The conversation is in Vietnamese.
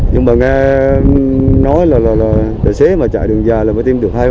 nhưng mà nghe nói là đợt xế mà chạy đường dài là mới tiêm được hai ba